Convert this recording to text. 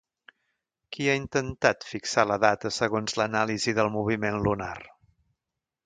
Qui ha intentat fixar la data segons l'anàlisi del moviment lunar?